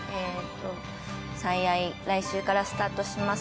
「最愛」、来週からスタートします。